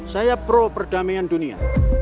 saya pro perdamaian dunia